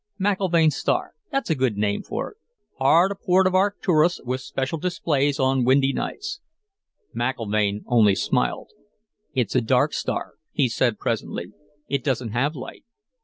McIlvaine's Star that's a good name for it. Hard a port of Arcturus, with special displays on windy nights." McIlvaine only smiled. "It's a dark star," he said presently. "It doesn't have light."